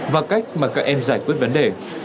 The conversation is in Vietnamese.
và cách mà các em giải quyết vấn đề